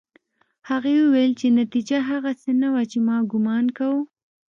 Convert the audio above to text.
هغې وویل چې نتيجه هغه څه نه وه چې ما ګومان کاوه